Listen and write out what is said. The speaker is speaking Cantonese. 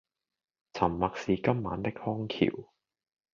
沉默是今晚的康橋